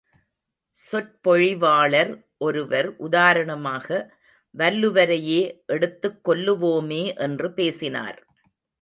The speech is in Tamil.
சொற்பொழிவாளர் ஒருவர், உதாரணமாக வல்லுவரையே எடுத்துக் கொல்லுவோமே என்று பேசினார்.